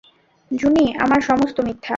জুনি, আমার সমস্ত মিথ্যা।